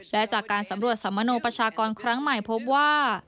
และจากการสำรวจสัมมโนประชากรครั้งใหม่พบว่า